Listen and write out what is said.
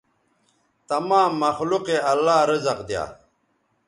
تمام مخلوق یے اللہ رزق دیا